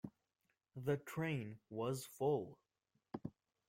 The train was full.